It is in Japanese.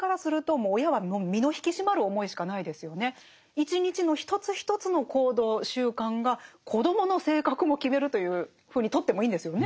一日の一つ一つの行動習慣が子どもの性格も決めるというふうにとってもいいんですよね。